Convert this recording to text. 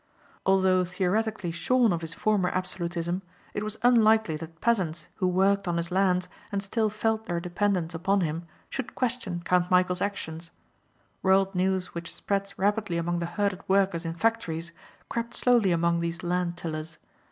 Although theoretically shorn of his former absolutism it was unlikely that peasants who worked on his lands and still felt their dependence upon him should question Count Michæl's actions. World news which spreads rapidly among the herded workers in factories crept slowly among these land tillers.